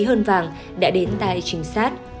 hơn vàng đã đến tại trình sát